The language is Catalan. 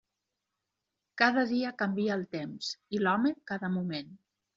Cada dia canvia el temps, i l'home cada moment.